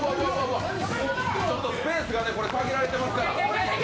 スペースが限られてますから。